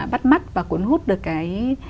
bắt mắt và cuốn hút được cái